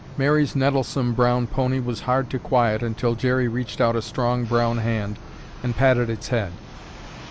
Mary's nettlesome brown pony was hard to quiet until Jerry reached out a strong brown hand and patted its head.